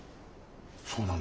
そうなの？